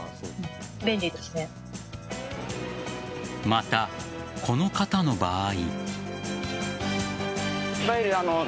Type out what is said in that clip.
また、この方の場合。